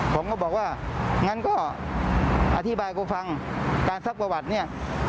ผมก็บอกว่างั้นก็อธิบายกูฟังการซักประวัติเนี่ย